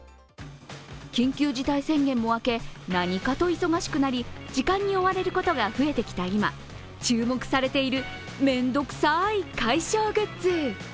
緊急事態宣言も明け何かと忙しくなり、時間に追われることが増えてきた今、注目されているめんどくさい解消グッズ。